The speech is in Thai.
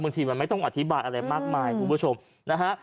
บางทีมันไม่ต้องอธิบายอะไรมากมายคุณผู้ชมนะฮะ